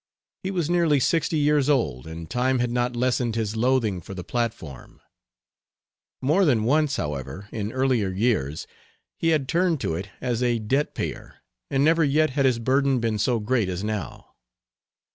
He was nearly sixty years old, and time had not lessened his loathing for the platform. More than once, however, in earlier years, he had turned to it as a debt payer, and never yet had his burden been so great as now.